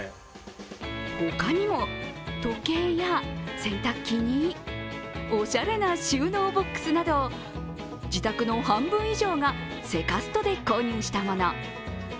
他にも時計や洗濯機におしゃれな収納ボックスなど自宅の半分以上がセカストで購入したもの。